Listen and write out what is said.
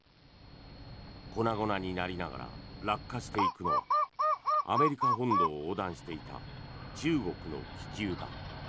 粉々になりながら落下していくのはアメリカ本土を横断していた中国の気球だ。